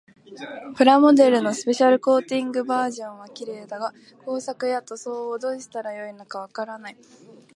プラモデルのスペシャルコーティングバージョンは綺麗だが、工作や塗装をどうしたらよいのかわからない。